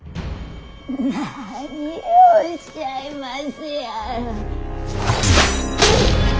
何をおっしゃいますやら。